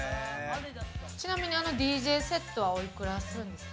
ちなみにあのＤＪセットはお幾らするんですか？